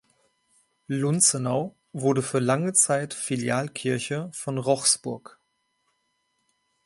Lunzenau wurde für lange Zeit Filialkirche von Rochsburg.